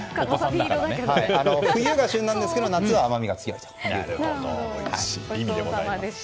冬が旬なんですけど夏は甘みが強いそうです。